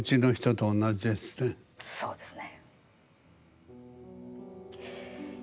そうですね。